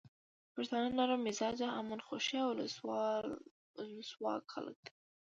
پښتانه نرم مزاجه، امن خوښي او ولسواک خلک دي.